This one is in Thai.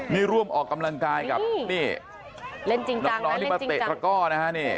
มีร่วมออกกำลังกายกับนี่เล่นจริงจังนะน้องนี่มาเตะตะกร่อนะฮะนี่